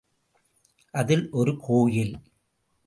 அதில் ஒரு கோயில்.